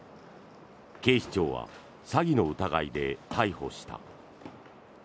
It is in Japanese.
警視庁は詐欺の疑いで逮捕した。